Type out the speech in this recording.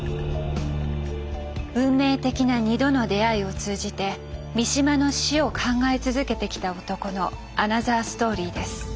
運命的な２度の出会いを通じて三島の死を考え続けてきた男のアナザーストーリーです。